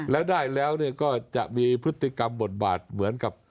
และได้แล้วก็จะมีพฤติกรรมบทบาทเหมือนกับ